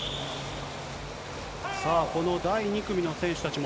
この第２組の選手たちも。